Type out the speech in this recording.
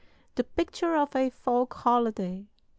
The picture of a folk holiday.